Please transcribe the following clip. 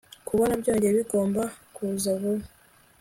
kubona byongeye bigomba kuza vuba